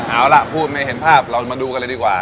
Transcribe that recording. เอาล่ะพูดไม่เห็นภาพเรามาดูกันเลยดีกว่า